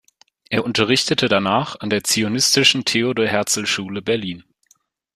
Er unterrichtete danach an der zionistischen Theodor-Herzl-Schule Berlin.